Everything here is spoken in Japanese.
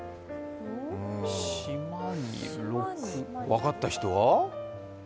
分かった人は？